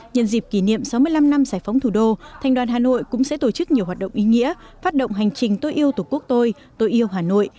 nhân dịp kỷ niệm sáu mươi năm năm giải phóng thủ đô thành đoàn hà nội cũng sẽ tổ chức nhiều hoạt động ý nghĩa phát động hành trình tôi yêu tổ quốc tôi tôi yêu hà nội